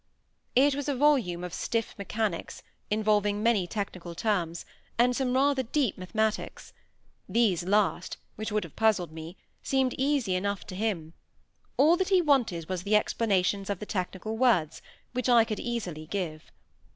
It was a volume of stiff mechanics, involving many technical terms, and some rather deep mathematics. These last, which would have puzzled me, seemed easy enough to him; all that he wanted was the explanations of the technical words, which I could easily give.